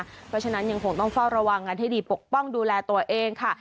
เพราะฉะนั้นยังคงต้องเฝ้าระวังกันให้ดีปกป้องดูแลตัวเองค่ะ